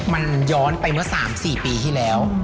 มันย้อนไปเมื่อสามสี่ปีที่แล้ว